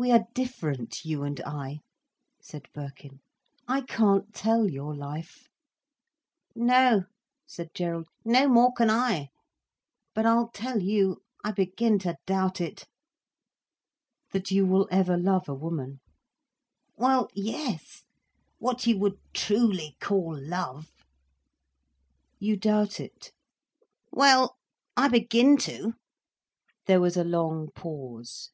"We are different, you and I," said Birkin. "I can't tell your life." "No," said Gerald, "no more can I. But I tell you—I begin to doubt it!" "That you will ever love a woman?" "Well—yes—what you would truly call love—" "You doubt it?" "Well—I begin to." There was a long pause.